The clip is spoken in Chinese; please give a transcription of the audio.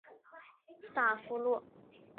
萨夫洛。